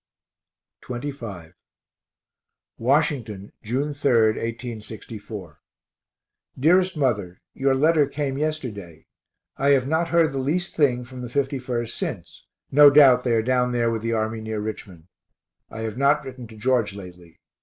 XXV Washington, June 3, 1864. DEAREST MOTHER Your letter came yesterday. I have not heard the least thing from the 51st since no doubt they are down there with the army near Richmond. I have not written to George lately.